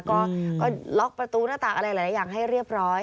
ก็ล็อกประตูหน้าต่างอะไรหลายอย่างให้เรียบร้อย